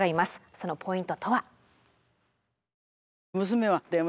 そのポイントとは？